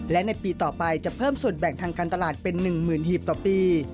และในปีต่อไปจะเพิ่มส่วนแบ่งทางการตลาดเป็น๑๐๐๐หีบต่อปี